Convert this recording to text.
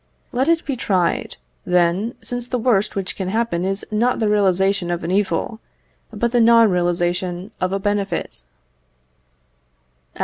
Let it be tried, then, since the worst which can happen is not the realization of an evil, but the non realization of a benefit.